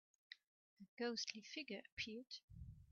A ghostly figure appeared.